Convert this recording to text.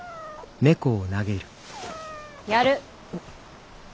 やる。